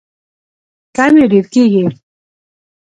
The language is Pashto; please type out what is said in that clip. کم یې ډیر کیږي.